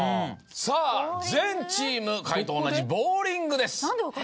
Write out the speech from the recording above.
さぁ全チーム解答同じ「ボウリング」です。